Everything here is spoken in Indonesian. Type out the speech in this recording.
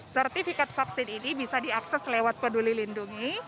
sertifikat vaksin ini bisa diakses lewat peduli lindungi